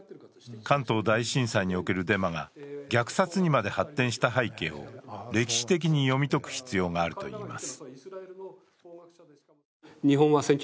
関東大震災におけるデマが虐殺にまで発展した背景を歴史的に読み解く必要があると言います